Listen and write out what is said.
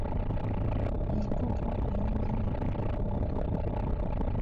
Enkoko eyingira ekootakoota.